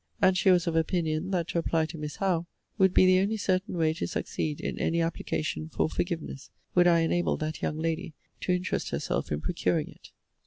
And she was of opinion, that to apply to Miss Howe would be the only certain way to succeed in any application for forgiveness, would I enable that young lady to interest herself in procuring it.